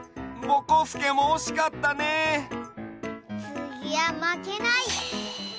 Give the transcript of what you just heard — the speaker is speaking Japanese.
つぎはまけない！